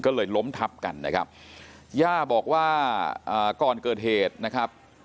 ก็เลยล้มทับกันนะครับย่าบอกว่าก่อนเกิดเหตุนะครับ